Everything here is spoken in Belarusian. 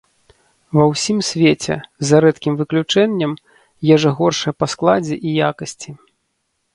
Ва ўсім свеце, за рэдкім выключэннем, ежа горшая па складзе і якасці.